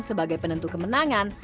sebagai penentu kemenangan